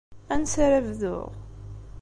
Ansa ara bduɣ?